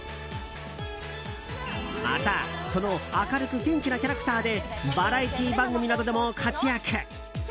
また、その明るく元気なキャラクターでバラエティー番組などでも活躍。